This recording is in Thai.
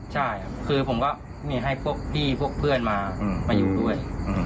ใช่คือผมก็มีให้พวกพี่พวกเพื่อนมามาอยู่ด้วย